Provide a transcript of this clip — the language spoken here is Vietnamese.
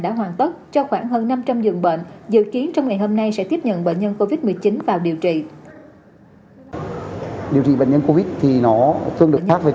đã hoàn tất cho khoảng hơn năm trăm linh dường bệnh dự kiến trong ngày hôm nay sẽ tiếp nhận